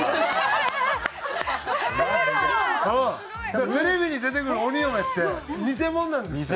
だからテレビに出てくる鬼嫁って偽者なんですって。